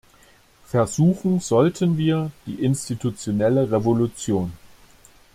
Versuchen sollten wir die institutionelle Revolution.